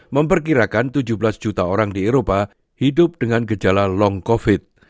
memperkirakan tujuh belas juta orang di eropa hidup dengan gejala long covid